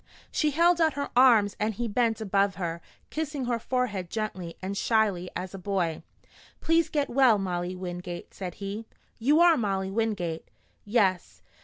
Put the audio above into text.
'" She held out her arms and he bent above her, kissing her forehead gently and shyly as a boy. "Please get well, Molly Wingate," said he. "You are Molly Wingate?" "Yes.